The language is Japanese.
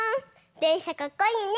でんしゃかっこいいね！